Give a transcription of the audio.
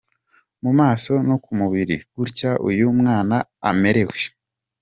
Mu maso no ku mubiri ni gutya uyu mwana amerewe.